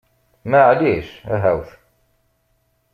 Maɛlic, ahawt!